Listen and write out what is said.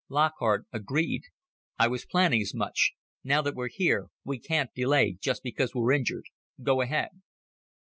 Lockhart agreed. "I was planning as much. Now that we're here, we can't delay just because we're injured. Go ahead."